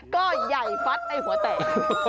ก็ใหญ่ฟัดไอ้หัวแตก